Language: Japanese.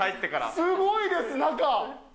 すごいです、中。